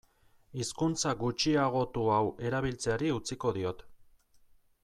Hizkuntza gutxiagotu hau erabiltzeari utziko diot.